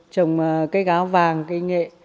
trồng cây gáo vàng cây nghệ